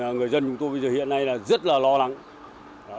người dân chúng tôi hiện nay là rất là lâu